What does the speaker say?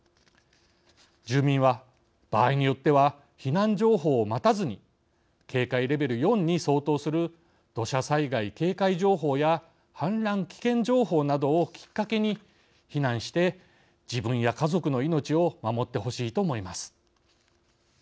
住民は、場合によっては避難情報を待たずに警戒レベル４に相当する土砂災害警戒情報や氾濫危険情報などをきっかけに避難して自分や家族の命を守ってほしいと思います。